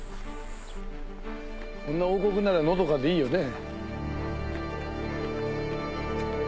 こんな王国ならのどかでいいよね。